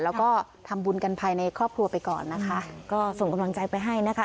แล้วก็ทำบุญกันภายในครอบครัวไปก่อนนะคะก็ส่งกำลังใจไปให้นะคะ